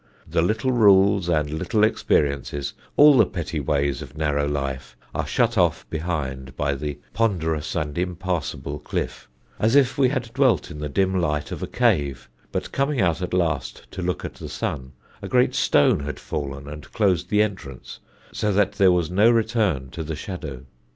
"The little rules and little experiences, all the petty ways of narrow life, are shut off behind by the ponderous and impassable cliff; as if we had dwelt in the dim light of a cave, but coming out at last to look at the sun, a great stone had fallen and closed the entrance, so that there was no return to the shadow.